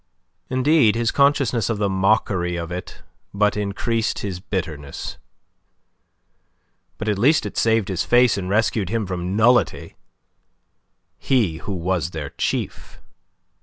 Indeed, his consciousness of the mockery of it but increased his bitterness. But at least it saved his face and rescued him from nullity he who was their chief.